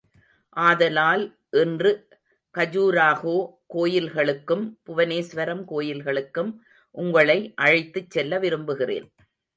ஆதலால் இன்று கஜுராஹோ கோயில்களுக்கும் புவனேஸ்வரம் கோயில்களுக்கும் உங்களை அழைத்துச் செல்ல விரும்புகிறேன்.